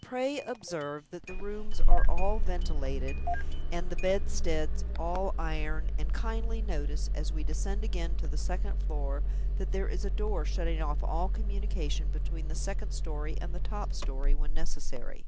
Pray observe that the rooms are all ventilated, and the bedsteads all iron and kindly notice, as we descend again to the second floor, that there is a door shutting off all communication between the second story and the top story when necessary.